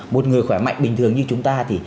một người khỏe mạnh bình thường như chúng ta thì